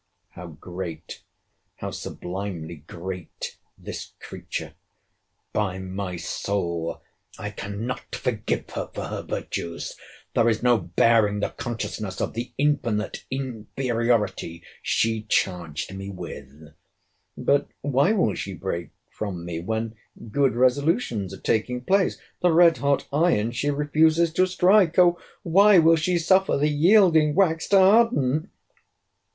How great, how sublimely great, this creature!—By my soul I cannot forgive her for her virtues! There is no bearing the consciousness of the infinite inferiority she charged me with.—But why will she break from me, when good resolutions are taking place? The red hot iron she refuses to strike—O why will she suffer the yielding wax to harden?